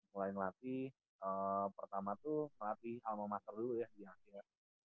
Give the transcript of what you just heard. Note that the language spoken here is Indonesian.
mulai ngelatih pertama tuh ngelatih alma mater dulu ya di asia